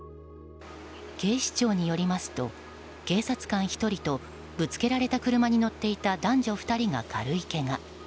警視庁によりますと警察官１人とぶつけられた車に乗っていた男女２人が軽いけが。